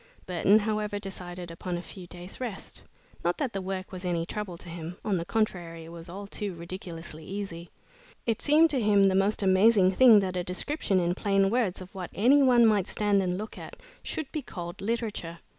Burton, however, decided upon a few days' rest. Not that the work was any trouble to him; on the contrary it was all too ridiculously easy. It seemed to him the most amazing thing that a description in plain words of what any one might stand and look at, should be called literature.